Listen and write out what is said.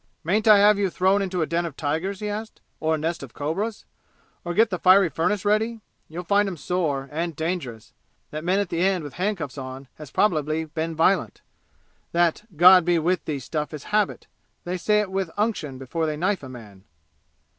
"Mayn't I have you thrown into a den of tigers?" he asked. "Or a nest of cobras? Or get the fiery furnace ready? You'll find 'em sore and dangerous! That man at the end with handcuffs on has probably been violent! That 'God be with thee' stuff is habit they say it with unction before they knife a man!"